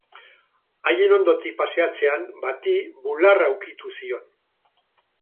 Haien ondotik pasatzean, bati bularra ukitu zion.